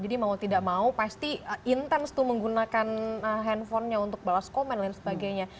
jadi mau tidak mau pasti intens tuh menggunakan handphonenya untuk balas komen dan sebagainya